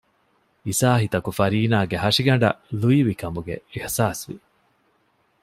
އިސާހިތަކު ފަރީނާގެ ހަށިގަނޑަށް ލުއިވިކަމުގެ އިޙްސާސްވި